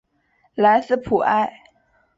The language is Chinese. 莱斯普埃。